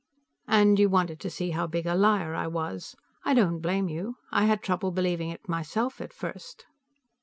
"And you wanted to see how big a liar I was. I don't blame you; I had trouble believing it myself at first."